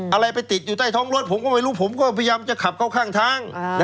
อะไรไปติดอยู่ใต้ท้องรถผมก็ไม่รู้ผมก็พยายามจะขับเข้าข้างทาง